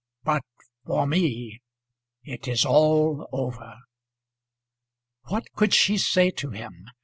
But for me it is all over." What could she say to him?